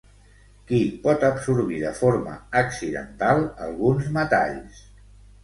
Qui pot absorbir de forma accidental alguns metalls?